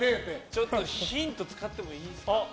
ちょっとヒント使ってもいいですか？